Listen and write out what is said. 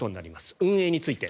運営について。